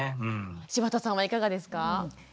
柴田さんはいかがですか？